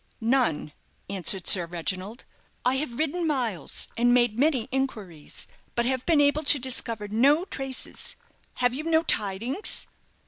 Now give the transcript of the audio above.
"None," answered Sir Reginald: "I have ridden miles, and made many inquiries, but have been able to discover no traces. Have you no tidings?"